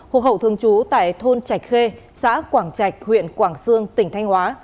hộ khẩu thường chú tại thôn trạch khê xã quảng trạch huyện quảng sương tỉnh thanh hóa